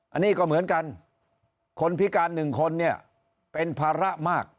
อันนี้ก็เหมือนกันคนพิการหนึ่งคนเนี่ยเป็นภาระมาก